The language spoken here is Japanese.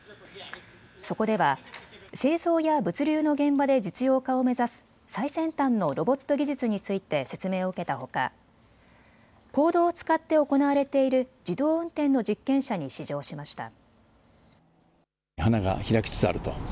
そこでは製造や物流の現場で実用化を目指す最先端のロボット技術について説明を受けたほか公道を使って行われている自動運転の実験車に試乗しました。